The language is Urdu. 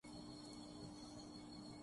ترے سامنے آسماں اور بھی